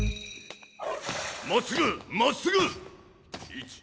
まっすぐまっすぐ！